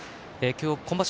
今場所